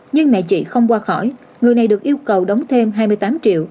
nhưng mẹ chị không qua khỏi người này được yêu cầu đóng thêm hai mươi tám triệu